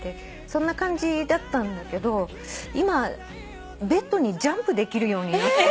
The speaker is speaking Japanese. そんな感じだったんだけど今ベッドにジャンプできるようになった。